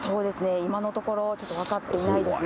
今のところ、ちょっと分かっていないですね。